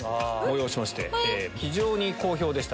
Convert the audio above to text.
非常に好評でした。